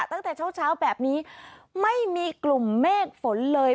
ตั้งแต่เช้าเช้าแบบนี้ไม่มีกลุ่มเมฆฝนเลย